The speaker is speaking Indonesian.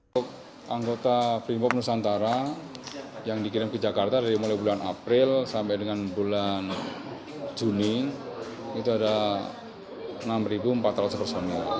untuk anggota brimob nusantara yang dikirim ke jakarta dari mulai bulan april sampai dengan bulan juni itu ada enam empat ratus personil